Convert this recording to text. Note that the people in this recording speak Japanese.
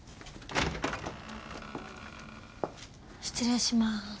失礼しまーす。